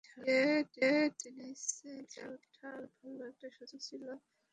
সেরেনাকে হটিয়ে টেনিস র্যা ঙ্কিংয়ের শীর্ষে ওঠার ভালো একটা সুযোগ ছিল অ্যাঞ্জেলিক কারবারের।